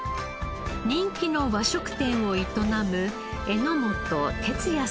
人気の和食店を営む榎本哲也さんです。